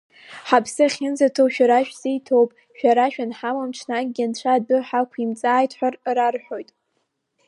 Ҳаԥсы ахьынӡаҭоу шәара шәзы иҭоуп, шәара шәанҳамам ҽнакгьы анцәа адәы ҳақәимҵааит ҳәа рарҳәоит.